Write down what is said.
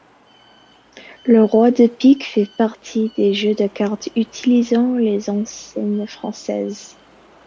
Le roi de pique fait partie des jeux de cartes utilisant les enseignes françaises.